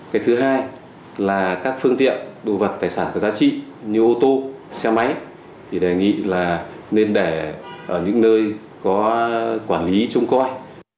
cái thứ hai là các phương tiện đồ vật tài sản có giá trị như ô tô xe máy thì đề nghị là nên để ở những nơi có quản lý trông coi